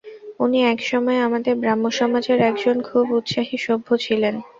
উনি এক সময়ে আমাদের ব্রাহ্মসমাজের একজন খুব উৎসাহী সভ্য ছিলেন।